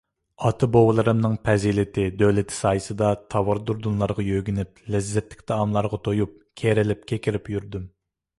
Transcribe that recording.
ئاتا - بوۋىلىرىمنىڭ پەزىلىتى - دۆلىتى سايىسىدا، تاۋار - دۇردۇنغا يۆگىنىپ، لەززەتلىك تائاملارغا تويۇپ، كېرىلىپ - كېكىرىپ يۈردۈم.